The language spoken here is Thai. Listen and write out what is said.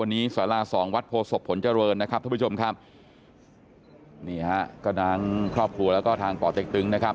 นี่ฮะก็ทั้งครอบครัวแล้วก็ทางป่อเต็กตึงนะครับ